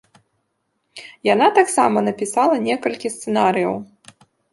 Яна таксама напісала некалькі сцэнарыяў.